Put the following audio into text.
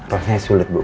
rasanya sulit bu